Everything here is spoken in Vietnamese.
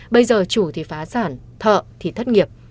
bây giờ chủ thì phá sản thợ thì thất nghiệp